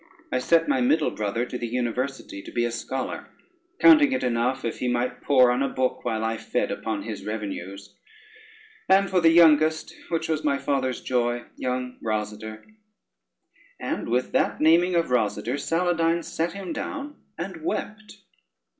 I set my middle brother to the university to be a scholar, counting it enough if he might pore on a book while I fed upon his revenues; and for the youngest, which was my father's joy, young Rosader" And with that, naming of Rosader, Saladyne sate him down and wept.